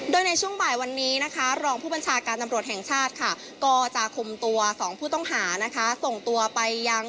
โดยในช่วงบ่ายวันนี้นะคะรองผู้บัญชาการตำรวจแห่งชาติค่ะก็จะคุมตัว๒ผู้ต้องหานะคะส่งตัวไปยัง